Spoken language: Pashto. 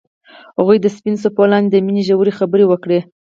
هغوی د سپین څپو لاندې د مینې ژورې خبرې وکړې.